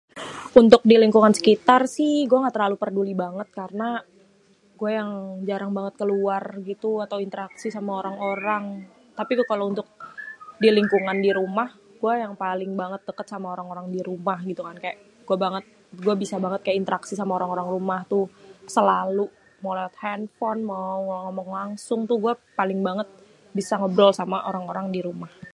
Untuk di lingkungan sekitar si gué gak terlalu perduli banget karena gué yang jarang banget keluar gitu, atau interaksi sama orang-orang tapi kalau untuk di lingkungan di rumah gué paling banget deket sama orang-orang dirumah gitu kan. Gué kaya bisa banget interaksi sama orang-orang rumah tuh, selalu mau lewat handphone, mau ngomong langsung tuh gué paling banget bisa ngobrol sama orang-orang di rumah.